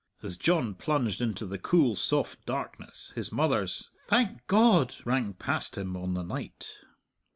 As John plunged into the cool, soft darkness, his mother's "Thank God!" rang past him on the night.